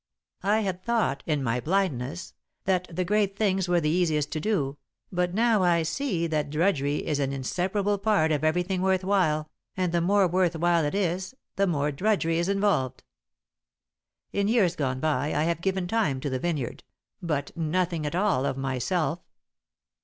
"I had thought, in my blindness, that the great things were the easiest to do, but now I see that drudgery is an inseparable part of everything worth while, and the more worth while it is, the more drudgery is involved. "In years gone by I have given time to the vineyard, but nothing at all of myself.